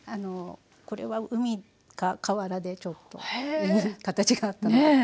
これは海か河原でちょっといい形があったので。